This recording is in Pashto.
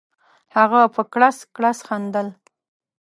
هغه په کړس کړس خندل.